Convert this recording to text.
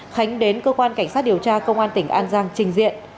khánh đến cơ quan cảnh sát điều tra công an tỉnh an giang trình diện